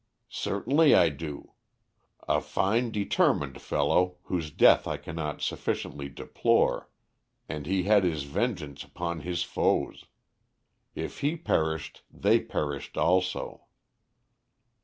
"Certainly, I do. A fine determined fellow, whose death I cannot sufficiently deplore. And he had his vengeance upon his foes. If he perished, they perished also."